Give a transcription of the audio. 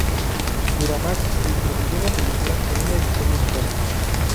Miramax distribuyó la película en una edición limitada.